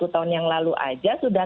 sepuluh tahun yang lalu aja sudah